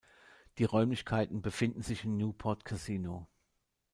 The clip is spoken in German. Die Räumlichkeiten befinden sich im Newport Casino.